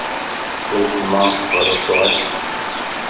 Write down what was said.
توک مانت بھروسو ائي؟